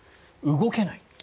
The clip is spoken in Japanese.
動けない。